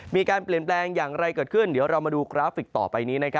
มีการเปลี่ยนแปลงอย่างไรเกิดขึ้นเดี๋ยวเรามาดูกราฟิกต่อไปนี้